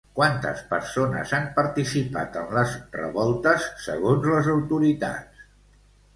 Quantes persones han participat en les revoltes segons les autoritats?